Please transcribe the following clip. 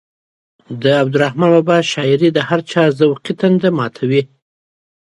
د عبدالرحمان بابا شاعري د هر چا ذوقي تنده ماتوي.